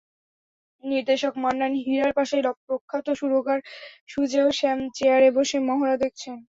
নির্দেশক মান্নান হীরার পাশে প্রখ্যাত সুরকার সুজেয় শ্যাম চেয়ারে বসে মহড়া দেখছেন।